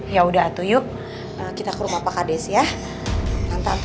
yaudah atu yuk kita ke rumah pak hades ya